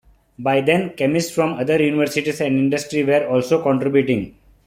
By then, chemists from other universities and industry were also contributing.